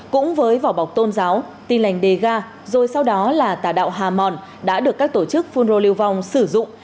cũng với vỏ bọc tôn giáo tin lành đề ga rồi sau đó là tà đạo hà mòn đã được các tổ chức phun rô lưu vong sử dụng